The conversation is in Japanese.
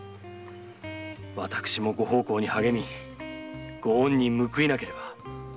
私もご奉公に励みご恩に報いなければ。